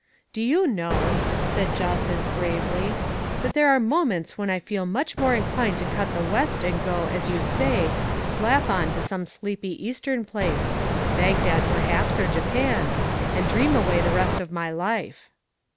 " Do you know," said Jacynth gravely, " that there are moments when I feel much more in clined to cut the West and go, as you say, * slap on ' to some sleepy Eastern place — Bagdad per haps, or Japan — and dream away the rest of my life."